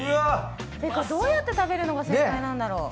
どうやって食べるのが正解なんだろう。